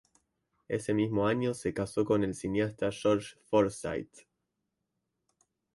Ese mismo año se casó con el cineasta George Forsyth.